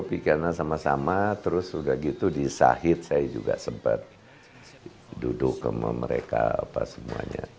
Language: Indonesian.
pikirannya sama sama terus juga gitu di syahid saya juga sempat duduk sama mereka apa semuanya